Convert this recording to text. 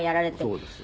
そうです。